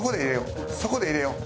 そこで入れよう